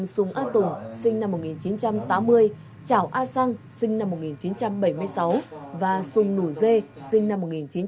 dũng a tùng sinh năm một nghìn chín trăm tám mươi trảo a sang sinh năm một nghìn chín trăm bảy mươi sáu và xuân nủ dê sinh năm một nghìn chín trăm bảy mươi bốn